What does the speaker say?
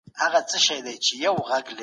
خپلو ماشومانو ته ادب ور زده کړئ.